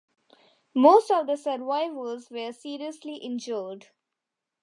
Most of the survivors were seriously injured.